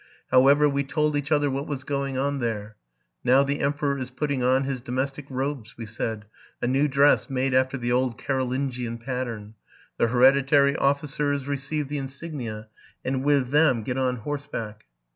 However, we told each other what was going on there. Now the emperor is putting on his domestic robes, we said, a new dress, made after the old Carolingian pattern. The hereditary officers receive the iasignia, and with them get on horseback.